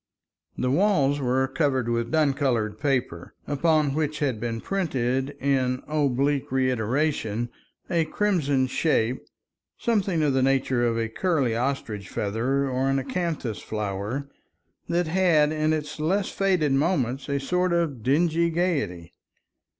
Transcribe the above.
The walls were covered with dun colored paper, upon which had been printed in oblique reiteration a crimson shape, something of the nature of a curly ostrich feather, or an acanthus flower, that had in its less faded moments a sort of dingy gaiety.